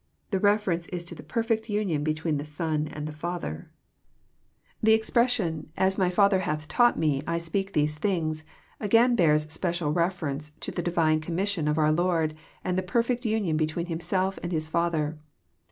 The reference is to the perfect union between the Son and the Father. JOHN, CHAP. vm. TO^WIGKH The expression, << as my Pather hath taaght Mel speak these things," again bears special reference to the divine commission of onr liOrd and the perfect union between Himself and His Pather.